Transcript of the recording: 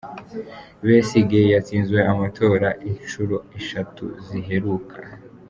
Besigye yatsinzwe amatora inshuro eshatu ziheruka.